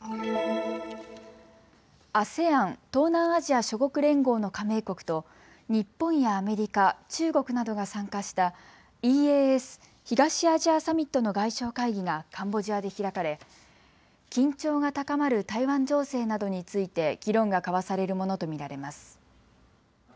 ＡＳＥＡＮ・東南アジア諸国連合の加盟国と日本やアメリカ、中国などが参加したＥＡＳ・東アジアサミットの外相会議がカンボジアで開かれ緊張が高まる台湾情勢などについて議論が交わされるものと見られます。